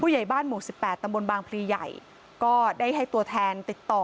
ใหญ่บ้านหมู่สิบแปดตำบลบางพรีใหญ่ก็ได้ให้ตัวแทนติดต่อ